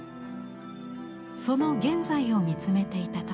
その現在を見つめていた時。